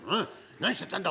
『何してたんだ？